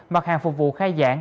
mặt hàng phục vụ khai giảng